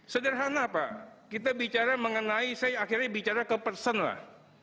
sederhana pak kita bicara mengenai saya akhirnya bicara ke person lah